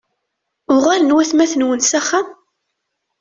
Uɣalen watmaten-nwen s axxam?